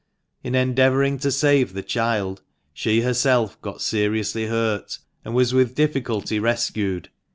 In endeavouring to save the child she herself got seriously hurt, and was with difficulty rescued.